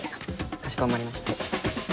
かしこまりました。